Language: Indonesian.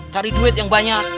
cari duit yang banyak